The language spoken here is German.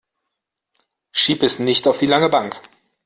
Schieb es nicht auf die lange Bank.